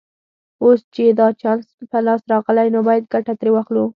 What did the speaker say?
اوس چې دا چانس په لاس راغلی نو باید ګټه ترې واخلو